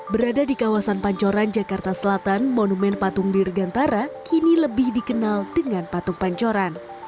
berada di kawasan pancoran jakarta selatan monumen patung dirgantara kini lebih dikenal dengan patung pancoran